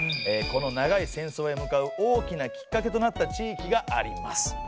この長い戦争へ向かう大きなきっかけとなった地域があります。